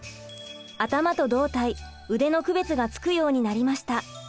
頭と胴体腕の区別がつくようになりました。